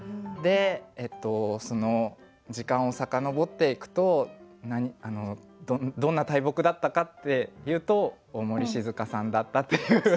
でその時間を遡っていくとどんな大木だったかっていうと大森静佳さんだったっていう。